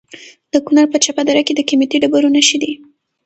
د کونړ په چپه دره کې د قیمتي ډبرو نښې دي.